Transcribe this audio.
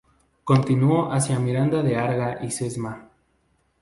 Continuó hacia Miranda de Arga y Sesma.